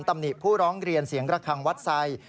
ตำหนิผู้ร้องเรียนเสียงระคังวัดไซด์